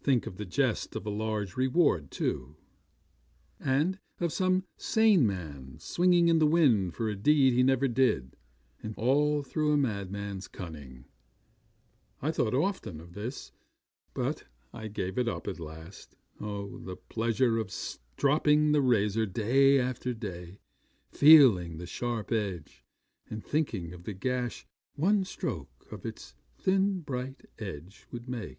Think of the jest of a large reward, too, and of some sane man swinging in the wind for a deed he never did, and all through a madman's cunning! I thought often of this, but I gave it up at last. Oh! the pleasure of stropping the razor day after day, feeling the sharp edge, and thinking of the gash one stroke of its thin, bright edge would make!